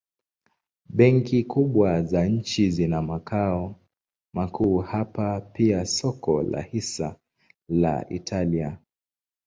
Benki kubwa za nchi zina makao makuu hapa pia soko la hisa la Italia.